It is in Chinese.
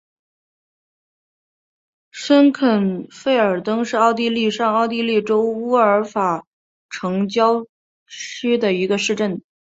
申肯费尔登是奥地利上奥地利州乌尔法尔城郊县的一个市镇。